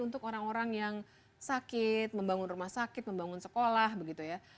untuk orang orang yang sakit membangun rumah sakit membangun sekolah begitu ya